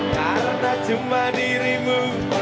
karena cuma dirimu